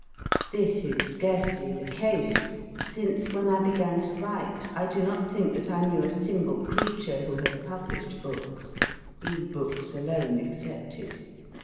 This is scarcely the case, since when I began to write I do not think that I knew a single creature who had published books blue books alone excepted.